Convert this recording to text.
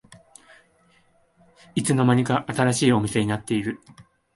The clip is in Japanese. いつの間にか新しいお店になってる